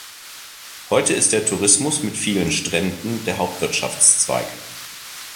Heute ist der Tourismus mit vielen Stränden der Hauptwirtschaftszweig.